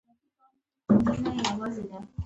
جغل باید کیمیاوي او فزیکي مقاومت ولري